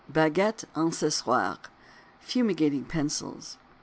BAGUETTES ENCENSOIRES (FUMIGATING PENCILS).